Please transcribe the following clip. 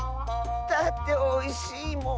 だっておいしいもん。